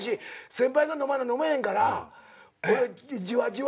先輩が飲まな飲めへんから俺じわじわ。